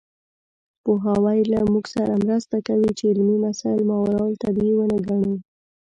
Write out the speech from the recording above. پوهاوی له موږ سره مرسته کوي چې علمي مسایل ماورالطبیعي ونه ګڼو.